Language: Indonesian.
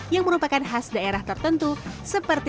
yang merupakan khas daerah tertentu seperti sate perut